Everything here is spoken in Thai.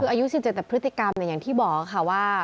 คืออายุ๑๗แต่พฤติกรรมอย่างที่บอกค่ะว่า